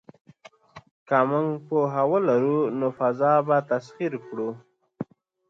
که موږ پوهه ولرو نو فضا به تسخیر کړو.